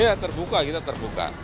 iya terbuka kita terbuka